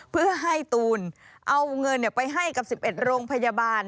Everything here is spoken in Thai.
เพื่อให้ตูนเอาเงินไปให้กับ๑๑โรงพยาบาล